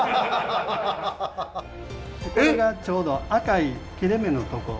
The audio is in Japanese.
これがちょうど赤い切れ目のトコ。